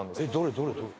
どれ？